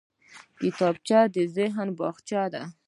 کتابچه د ذهن باغچه ده